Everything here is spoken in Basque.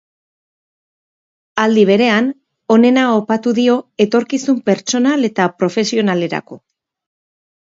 Aldi berean, onena opatu dio etorkizun pertsonal eta profesionalerako.